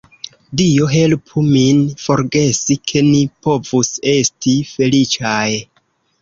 Dio helpu min forgesi, ke ni povus esti feliĉaj!